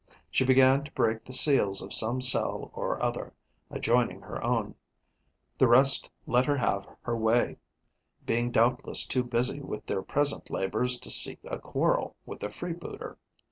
She began to break the seals of some cell or other, adjoining her own; the rest let her have her way, being doubtless too busy with their present labours to seek a quarrel with the freebooter.